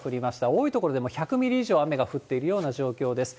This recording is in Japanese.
多い所で１００ミリ以上雨が降っているような状況です。